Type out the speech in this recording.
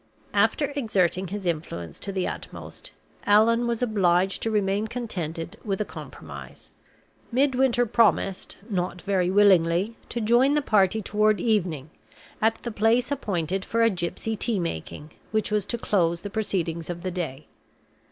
After exerting his influence to the utmost, Allan was obliged to remain contented with a compromise. Midwinter promised, not very willingly, to join the party toward evening, at the place appointed for a gypsy tea making, which was to close the proceedings of the day.